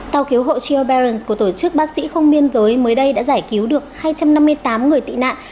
tàu cứu hộ cheo beren của tổ chức bác sĩ không biên giới mới đây đã giải cứu được hai trăm năm mươi tám người tị nạn